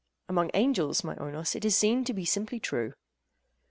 AGATHOS. Among angels, my Oinos, it is seen to be simply true.